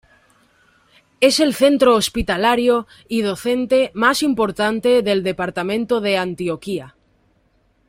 Es el centro Hospitalario y docente más importante del Departamento de Antioquia.